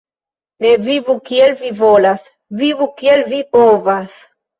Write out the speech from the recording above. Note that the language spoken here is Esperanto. Ne vivu kiel vi volas, vivu kiel vi povas.